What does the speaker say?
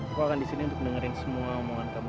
aku akan disini untuk dengerin semua omongan kamu